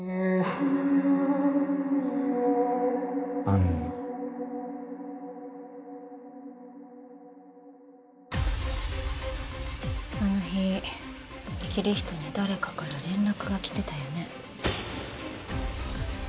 安野あの日キリヒトに誰かから連絡が来てたよね